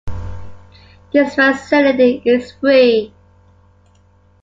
This facility is free.